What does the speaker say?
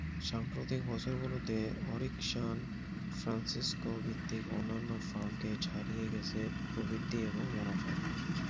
সাম্প্রতিক বছরগুলোতে, Arik San Francisco ভিত্তিক অন্যান্য ফার্মকে ছাড়িয়ে গেছে প্রবৃদ্ধি এবং মুনাফায়।